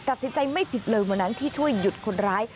ตัดสินใจไม่ผิดเลยวันนั้นที่ช่วยหยุดคนร้าย